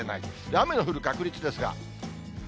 雨の降る確率ですが。